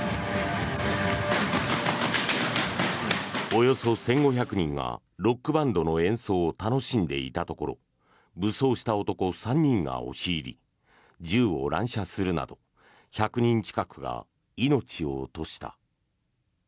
およそ１５００人がロックバンドの演奏を楽しんでいたところ武装した男３人が押し入り銃を乱射するなど１００人近くが命を落とした。